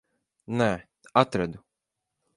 Nē, atradu.